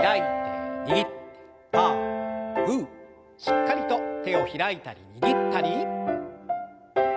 しっかりと手を開いたり握ったり。